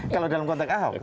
kalau dalam konteks ahok